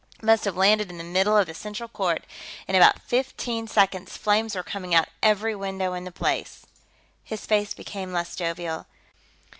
It must have landed in the middle of the central court; in about fifteen seconds, flames were coming out every window in the place." His face became less jovial.